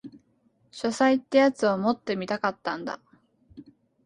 書斎ってやつを持ってみたかったんだ